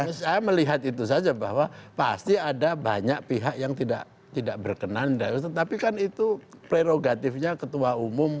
ya saya melihat itu saja bahwa pasti ada banyak pihak yang tidak berkenan tetapi kan itu prerogatifnya ketua umum